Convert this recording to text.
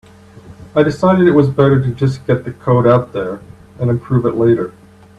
I decided it was better to just get the code out there and improve it later.